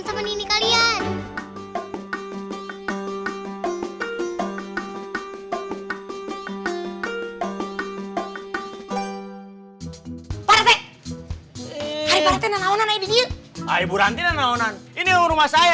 sampai jumpa di video selanjutnya